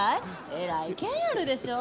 えらいケンあるでしょ。